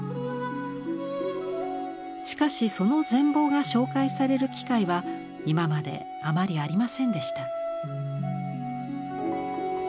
しかしその全貌が紹介される機会は今まであまりありませんでした。